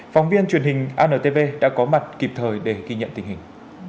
phóng viên truyền hình antv đã có mặt kịp thời để ghi nhận tình hình